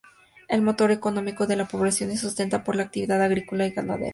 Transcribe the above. El motor económico de la población se sustenta por la actividad agrícola y ganadera.